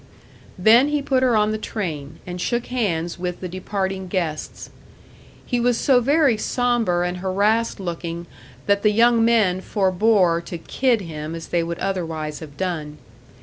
Then he put her on the train, and shook hands with the departing guests. He was so very sombre and harassed looking that the young men forbore to "kid" him as they would otherwise have done.